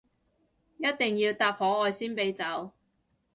一定要答可愛先俾走